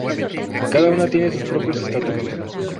Cada una tiene sus propios estatutos.